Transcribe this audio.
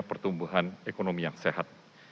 pertumbuhan ekonomi yang sehat